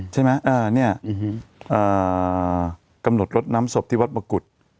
ใช่ไหมเอ่อเนี่ยอ่ากำหนดรถน้ำศพที่วัดประกุฎ